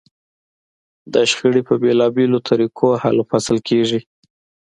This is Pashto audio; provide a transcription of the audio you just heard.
دا شخړې په بېلابېلو طریقو حل و فصل کېږي.